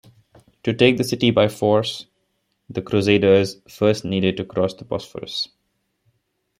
To take the city by force, the crusaders first needed to cross the Bosphorus.